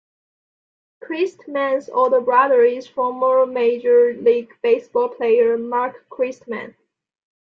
Christman's older brother is former Major League Baseball player Mark Christman.